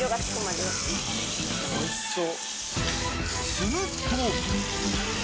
すると！